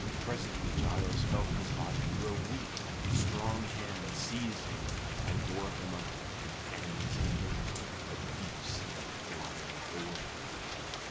Presently Giles felt his body grow weak, strong hands seized him and bore him up, and an instant later a deep sleep blotted out the world.